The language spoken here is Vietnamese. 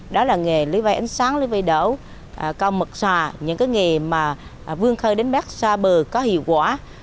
đó là nghề lưới vai ánh sáng lưới vai đổ cao mực xòa những nghề vương khơi đến bếp xa bờ có hiệu quả